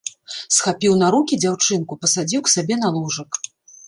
Схапіў на рукі дзяўчынку, пасадзіў к сабе на ложак.